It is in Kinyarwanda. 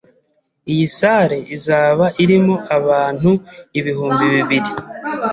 Iyi salle izaba irimo abantu ibihumbi bibiri.